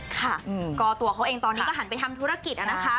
ค่ะก็ตัวเขาเองตอนนี้ก็หันไปทำธุรกิจนะคะ